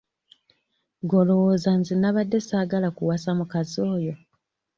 Gwe olowooza nze nnabadde ssaagala kuwasa mukazi oyo?